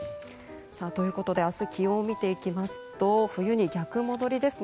ということで明日、気温を見ていきますと冬に逆戻りですね。